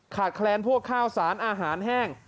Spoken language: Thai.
แคลนพวกข้าวสารอาหารแห้ง